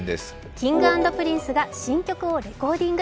Ｋｉｎｇ＆Ｐｒｉｎｃｅが新曲をレコーディング。